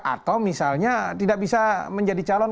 atau misalnya tidak bisa menjadi calon